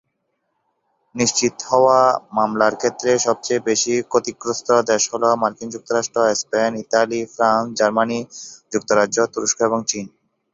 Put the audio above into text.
নিশ্চিত হওয়া মামলার ক্ষেত্রে সবচেয়ে বেশি ক্ষতিগ্রস্ত দেশ হ'ল মার্কিন যুক্তরাষ্ট্র, স্পেন, ইতালি, ফ্রান্স, জার্মানি, যুক্তরাজ্য, তুরস্ক এবং চীন।